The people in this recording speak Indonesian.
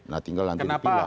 nah tinggal nanti dipilih